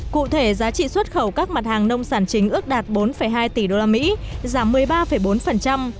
cụ thể giá trị xuất khẩu các mặt hàng nông sản chính ước đạt bốn hai tỷ usd giảm một mươi ba bốn